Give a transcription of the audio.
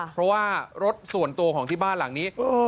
เพราะว่ารถส่วนตัวของที่บ้านหลังนี้